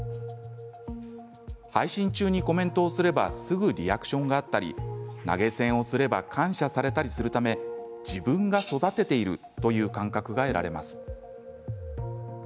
配信中にコメントをすればすぐリアクションがあったり投げ銭をすれば感謝されるため自分が育てているという感覚が得られます。